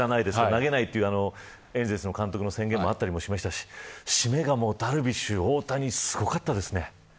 投げないというエンゼルスの監督の宣言もありましたし締めがダルビッシュと大谷すごかったですね。